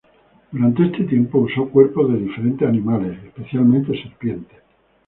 Durante este tiempo usó cuerpos de diferentes animales, especialmente serpientes.